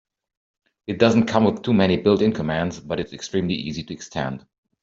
It doesn't come with too many built-in commands, but it's extremely easy to extend.